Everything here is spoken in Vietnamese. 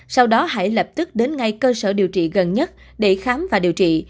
sau đó hãy lập tức đến ngay cơ sở điều trị gần nhất để khám và điều trị